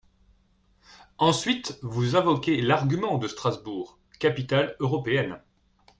Ensuite, vous invoquez l’argument de Strasbourg capitale européenne.